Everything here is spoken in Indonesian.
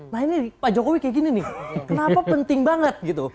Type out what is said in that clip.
nah ini pak jokowi kayak gini nih kenapa penting banget gitu